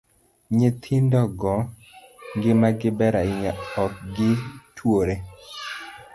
Nyithindogo ngimagi Ber ahinya, ok gi twore.